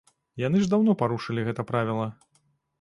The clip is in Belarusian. Яны ж даўно парушылі гэта правіла.